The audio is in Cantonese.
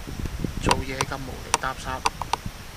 做嘢咁無厘搭霎